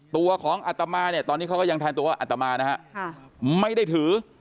ตัวของอัตมาเนี่ยตอนนี้เขาก็ยังแทนตัวอัตมานะฮะไม่ได้ถือ